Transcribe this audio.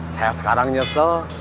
saya sekarang nyesel